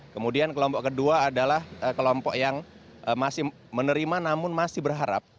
kemudian kelompok kedua adalah kelompok yang masih menerima namun masih berharap